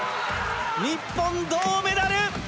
日本、銅メダル！